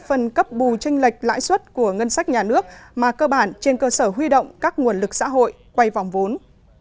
phần cấp bù tranh lệch lãi suất của ngân sách nhà nước mà cơ bản trên cơ sở huy động các nguồn lực xã hội quay vòng vốn